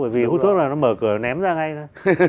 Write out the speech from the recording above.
bởi vì hút thuốc là nó mở cửa ném ra ngay ra